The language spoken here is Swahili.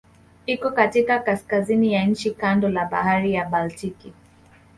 Iko katika kaskazini ya nchi kando la Bahari ya Baltiki.